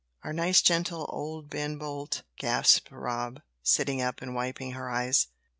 our nice, gentle, old Ben Bolt," gasped Rob, sitting up and wiping her eyes.